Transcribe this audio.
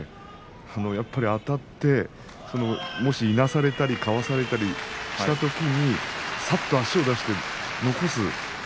やはりあたってもし、いなされたりかわされたりしたときにさっと足を出して残す